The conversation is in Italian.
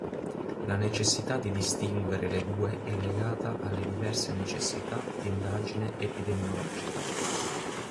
La necessità di distinguere le due è legata alle diverse necessità di indagine epidemiologica.